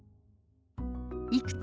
「いくつ？」。